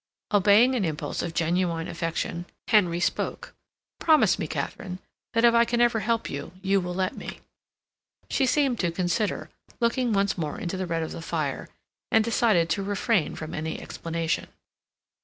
Obeying an impulse of genuine affection, Henry spoke. "Promise me, Katharine, that if I can ever help you, you will let me." She seemed to consider, looking once more into the red of the fire, and decided to refrain from any explanation.